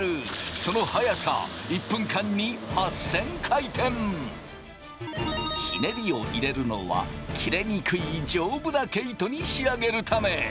その速さひねりを入れるのは切れにくい丈夫な毛糸に仕上げるため。